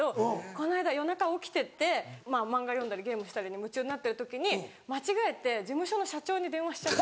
この間夜中起きてて漫画読んだりゲームしたりに夢中になってる時に間違えて事務所の社長に電話しちゃって。